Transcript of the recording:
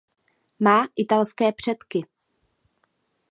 Má italské předky.